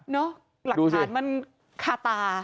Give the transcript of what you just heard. หลักฐานมันคาตา